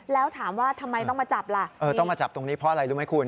แล้วถามว่าทำไมต้องมาจับล่ะเออต้องมาจับตรงนี้เพราะอะไรรู้ไหมคุณ